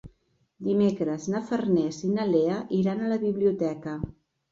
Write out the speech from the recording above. Dimecres na Farners i na Lea iran a la biblioteca.